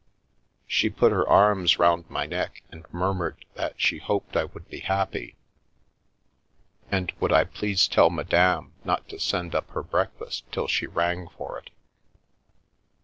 She put her arms round my neck and murmured that she hoped I would be happy, and would The Milky Way I please tell Madame not to send up her breakfast till she rang for it.